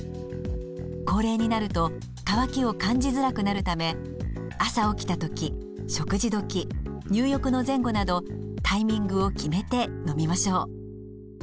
高齢になると渇きを感じづらくなるため朝起きた時食事時入浴の前後などタイミングを決めて飲みましょう。